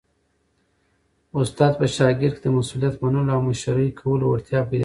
استاد په شاګرد کي د مسؤلیت منلو او مشرۍ کولو وړتیا پیدا کوي.